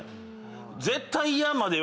絶対嫌までは。